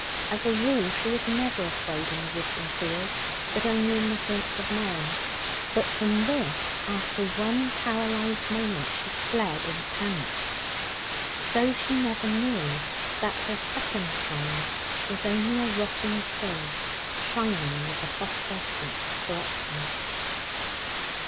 As a rule, she was never afraid in the woods and fields, but only in the haunts of men. But from this, after one paralysed moment, she fled in panic. So she never knew that her second sign was only a rotten tree, shining with the phosphorescence of corruption.